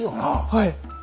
はい。